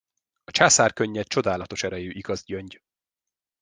A császár könnye csodálatos erejű igazgyöngy.